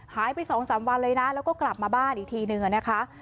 หายไป๒๓วันเลยนะแล้วก็กลับมาบ้านอีกทีนึงนะคะ